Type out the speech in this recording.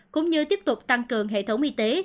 cũng như tiếp tục tăng cường hệ thống y tế